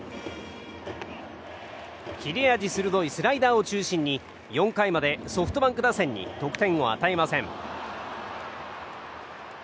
切れ味鋭いスライダーを中心に４回までソフトバンク打線に得点を与えません。